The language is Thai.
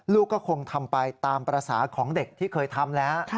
ลูกก็คงทำไปตามภาษาของเด็กที่เคยทำแล้ว